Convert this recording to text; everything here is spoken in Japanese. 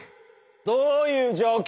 どういう状況？